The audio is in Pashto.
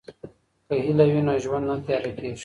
که هیله وي نو ژوند نه تیاره کیږي.